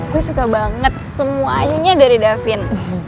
gue suka banget semuanya dari davin